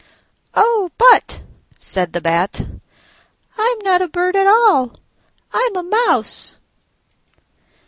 "Oh, but," said the Bat, "I'm not a bird at all: I'm a mouse."